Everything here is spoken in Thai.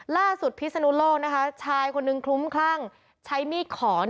ล่าสุดพิษณุโลกชายคนนึงคลุ้มคลั่งใช้มีดขอ